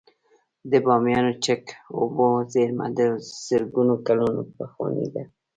د بامیانو چک اوبو زیرمه د زرګونه کلونو پخوانۍ ده